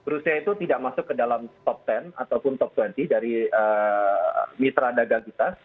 rusia itu tidak masuk ke dalam top sepuluh ataupun top dua puluh dari mitra dagang kita